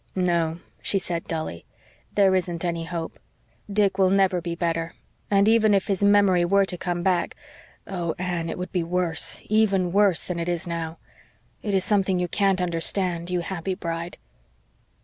"No," she said dully. "There isn't any hope. Dick will never be better and even if his memory were to come back oh, Anne, it would be worse, even worse, than it is now. This is something you can't understand, you happy bride.